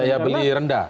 daya beli rendah